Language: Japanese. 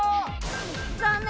残念。